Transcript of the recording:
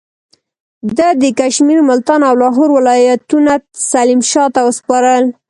ده د کشمیر، ملتان او لاهور ولایتونه سلیم شاه ته وسپارل.